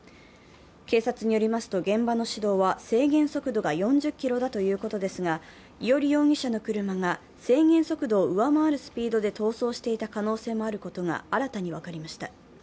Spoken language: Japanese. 警察によりますと、現場の市道は制限速度が４０キロだということですが伊従容疑者の車が制限速度を上回るスピードで逃走していた可能性もあることが新たに分かりました。